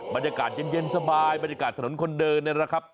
บรรยากาศเย็นสบายบรรยากาศถนนคนเดินเนี่ยนะครับ